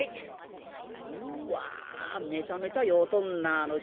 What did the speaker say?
うわめちゃめちゃ酔うとんなあの人。